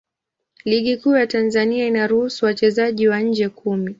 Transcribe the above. Ligi Kuu ya Tanzania inaruhusu wachezaji wa nje kumi.